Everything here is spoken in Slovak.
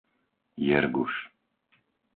Jerguš